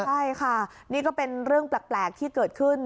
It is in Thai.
ใช่ค่ะนี่ก็เป็นเรื่องแปลกที่เกิดขึ้น